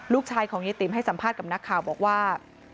ลูกชายของยายติ๋มให้สัมภาษณ์กับนักข่าวบอกว่า